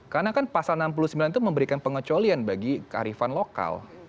karena kan pasal enam puluh sembilan itu memberikan pengecolian bagi kearifan lokal